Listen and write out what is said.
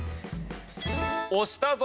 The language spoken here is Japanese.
押したぞ。